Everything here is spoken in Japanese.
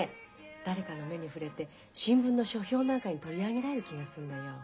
誰かの目に触れて新聞の書評なんかに取り上げられる気がするのよ。